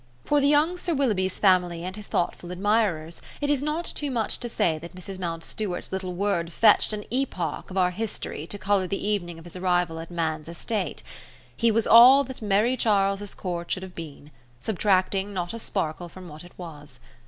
For the young Sir Willoughby's family and his thoughtful admirers, it is not too much to say that Mrs. Mountstuart's little word fetched an epoch of our history to colour the evening of his arrival at man's estate. He was all that Merrie Charles's court should have been, subtracting not a sparkle from what it was.